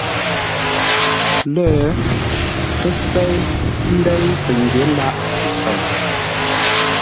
Lə́, ə́ séi ndéi pəgyě lâʼ pətsəm.